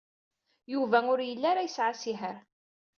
Yuba ur yelli ara yesɛa asihaṛ.